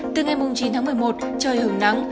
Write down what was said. từ ngày chín một mươi một trời hưởng nắng